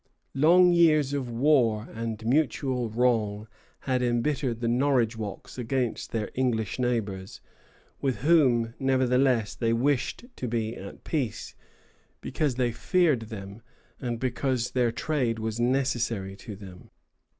Long years of war and mutual wrong had embittered the Norridgewocks against their English neighbors, with whom, nevertheless, they wished to be at peace, because they feared them, and because their trade was necessary to them.